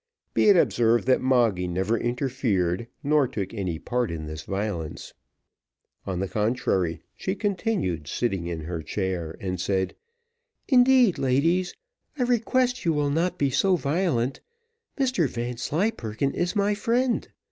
Be it observed, that Moggy never interfered, nor took any part in this violence; on the contrary, she continued sitting in her chair, and said, "Indeed, ladies, I request you will not be so violent, Mr Vanslyperken is my friend.